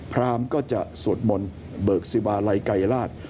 พรามก็จะสวดมนต์เบิกสิวาลัยไกรราช